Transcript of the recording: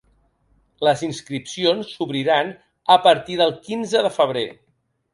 Les inscripcions s’obriran a partir del quinze de febrer.